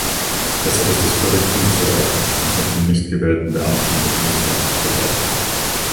Deshalb ist es völlig unzureichend, uns mit den nichtgewählten Beamten der Kommission zu vergleichen.